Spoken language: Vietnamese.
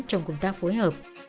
trong công tác phối hợp